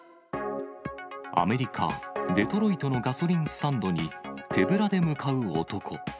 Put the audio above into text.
アメリカ・デトロイトのガソリンスタンドに、手ぶらで向かう男。